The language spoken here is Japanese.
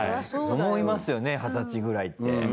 思いますよね二十歳ぐらいって。